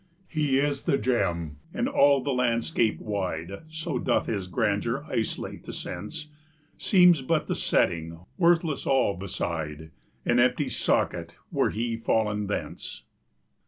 20 He is the gem; and all the landscape wide (So doth his grandeur isolate the sense) Seems but the setting, worthless all beside, An empty socket, were he fallen thence.